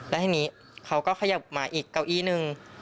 แล้วทีนี้เขาก็ขยับมาอีกเก้าอี้หนึ่ง